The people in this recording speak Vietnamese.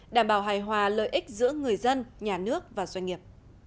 đảm bảo hài hòa lợi ích giữa người dân nhà nước và doanh nghiệp